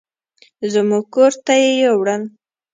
زموږ کور ته يې يوړل.